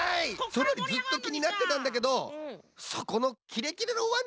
それよりずっときになってたんだけどそこのキレキレのワンちゃんだぁれ？